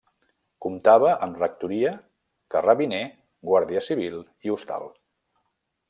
Comptava amb rectoria, carrabiner, guàrdia civil i hostal.